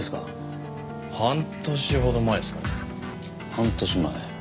半年前？